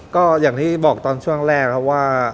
ก็อย่างที่บอกตอนช่วงแรกครับว่า